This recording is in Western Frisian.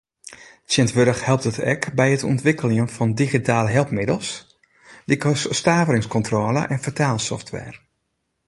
Tsjintwurdich helpt it ek by it ûntwikkeljen fan digitale helpmiddels lykas staveringskontrôle en fertaalsoftware.